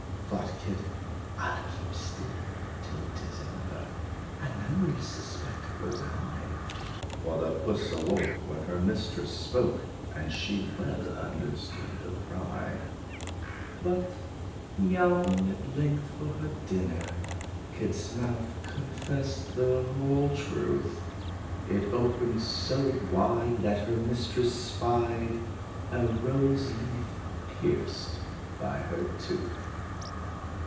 Thought kit, "I 'll keep still till 't is over, And none will suspect it was I." For the puss awoke, when her mistress spoke, And she well understood the cry. But, mewing at length for her dinner, Kit's mouth confessed the whole truth: It opened so wide, that her mistress spied A rose leaf pierced by her tooth.